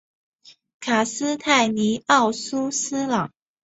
卡斯泰尼奥苏斯朗。